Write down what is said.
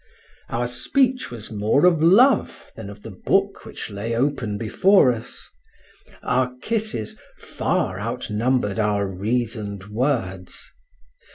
Our speech was more of love than of the book which lay open before us; our kisses far outnumbered our reasoned words.